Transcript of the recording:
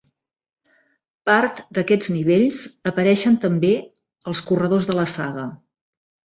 Part d'aquests nivells apareixen també els corredors de la saga.